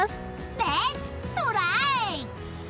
レッツトライ！